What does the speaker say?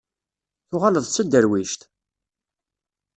Tuɣaleḍ d taderwict?